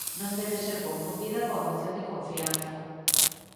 Non debe ser confundida coa moción de confianza.